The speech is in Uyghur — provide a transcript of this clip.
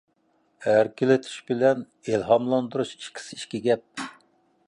ئەركىلىتىش بىلەن ئىلھاملاندۇرۇش ئىككىسى ئىككى گەپ.